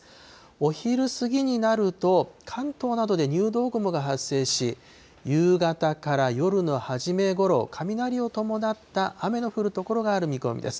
お昼過ぎになると関東などで入道雲が発生し、夕方から夜の初めごろ、雷を伴った雨の降る所がある見込みです。